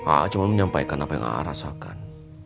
a'a cuma menyampaikan apa yang a'a rasakan